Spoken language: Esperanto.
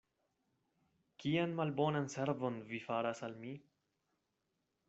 Kian malbonan servon vi faras al mi!